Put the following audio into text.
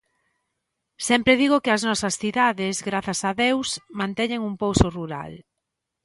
Sempre digo que as nosas cidades, grazas a deus, manteñen un pouso rural.